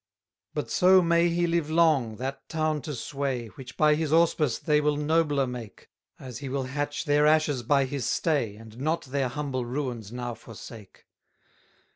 288 But so may he live long, that town to sway, Which by his auspice they will nobler make, As he will hatch their ashes by his stay, And not their humble ruins now forsake.